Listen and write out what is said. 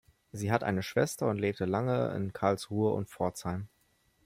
Sie hat eine Schwester und lebte lange in Karlsruhe und Pforzheim.